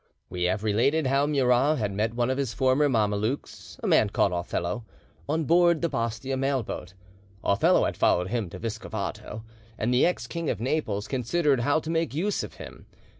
We have related how Murat had met one of his former Mamelukes, a man called Othello, on board the Bastia mailboat. Othello had followed him to Viscovato, and the ex King of Naples considered how to make use of him.